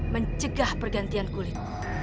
mencegah pergantian kulit